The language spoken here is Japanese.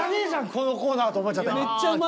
このコーナーと思っちゃった今。